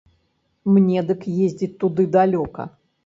Мне дык ездзіць туды далёка.